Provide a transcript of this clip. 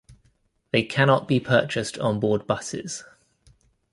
They cannot be purchased on board buses.